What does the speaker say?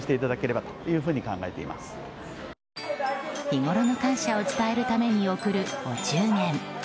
日ごろの感謝を伝えるために送るお中元。